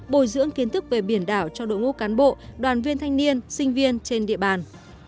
bồi dưỡng kiến thức về biển đảo cho đội ngũ cán bộ đoàn viên thanh niên sinh viên trên địa bàn